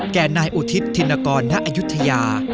แก่นายอุทิศธินกรณอายุทยา